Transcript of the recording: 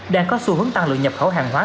đang có xu hướng tăng lượng nhập khẩu hàng hóa